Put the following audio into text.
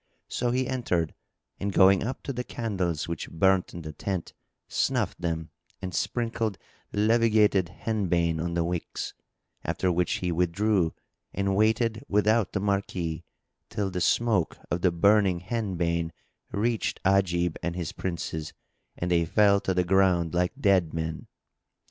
So he entered and going up to the candles which burnt in the tent snuffed them and sprinkled levigated henbane on the wicks; after which he withdrew and waited without the marquee, till the smoke of the burning henbane reached Ajib and his Princes and they fell to the ground like dead men.